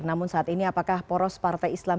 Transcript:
namun saat ini apakah poros partai islam